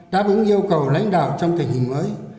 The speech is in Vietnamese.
đáp ứng yêu cầu lãnh đạo trong tình hình mới